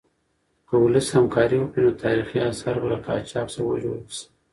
که ولس همکاري وکړي نو تاریخي اثار به له قاچاق څخه وژغورل شي.